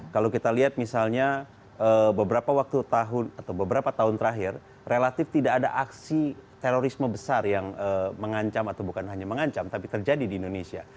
kalau kita lihat misalnya beberapa waktu tahun atau beberapa tahun terakhir relatif tidak ada aksi terorisme besar yang mengancam atau bukan hanya mengancam tapi terjadi di indonesia